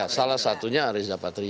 salah satunya pak rizapatria